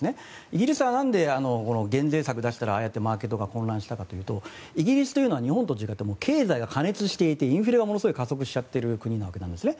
イギリスはなんで減税策を出したらああやってマーケットが混乱したかというとイギリスというのは日本と違って経済が過熱していてインフレがものすごい加速しちゃってる国なんですね。